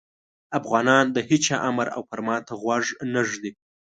افغانان د هیچا امر او فرمان ته غوږ نه ږدي.